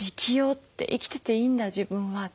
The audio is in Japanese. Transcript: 生きてていいんだ自分は。